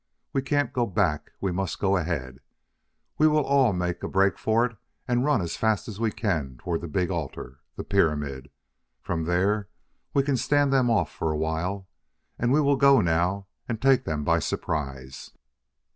We can't go back; we must go ahead. We will all make a break for it and run as fast as we can toward the big altar the pyramid. From there we can stand them off for a while. And we will go now and take them by surprise."